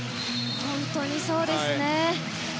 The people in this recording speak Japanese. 本当にそうですね。